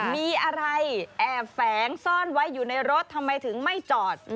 มีอะไรแอบแฝงซ่อนไว้อยู่ในรถทำไมถึงไม่จอด